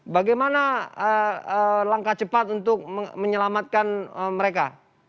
bagaimana langkah cepat untuk menyelamatkan mereka